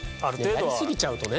やりすぎちゃうとね。